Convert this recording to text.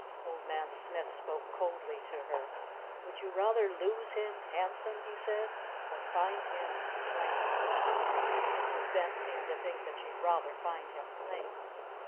Old Man Smith spoke coldly to her. "Would you rather lose him handsome," he said. "Or find him plain?" Mrs. Bent seemed to think that she'd rather find him plain.